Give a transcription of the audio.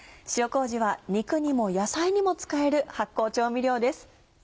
塩麹は肉にも野菜にも使える発酵調味料です。